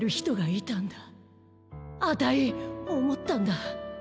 あたいおもったんだ。